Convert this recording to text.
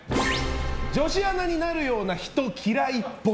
女子アナになるような人嫌いっぽい。